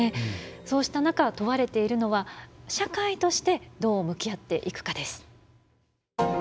そうした中問われているのは社会としてどう向き合っていくかです。